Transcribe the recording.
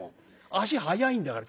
足早いんだから。